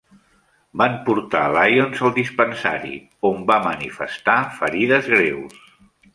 Van portar Lyons al dispensari, on va manifestar ferides greus.